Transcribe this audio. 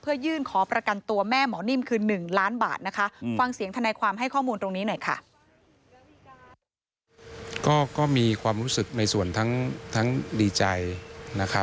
เพื่อยื่นขอประกันตัวแม่หมอนิ่มคือ๑ล้านบาทนะคะ